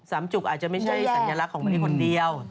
จุกอาจจะไม่ใช่สัญลักษณ์ของประเทศคนเดียว